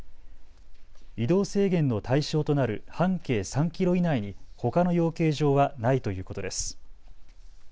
移動制限の対象となる半径３キロ以内にほかの養鶏場はないということです。